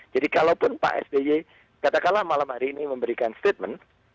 jadi kalaupun pak sby katakanlah malam hari ini memberikan statement